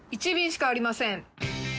１便しかありません。